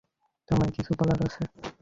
তোমায় কিছু বলার আছে।